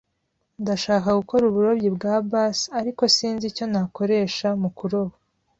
Ndashaka gukora uburobyi bwa bass, ariko sinzi icyo nakoresha mu kuroba.